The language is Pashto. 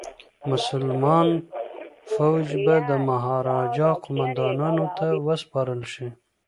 مسلمان فوج به د مهاراجا قوماندانانو ته وسپارل شي.